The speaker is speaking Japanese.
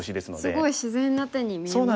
すごい自然な手に見えますよね。